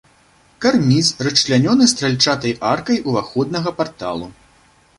Карніз расчлянёны стральчатай аркай уваходнага парталу.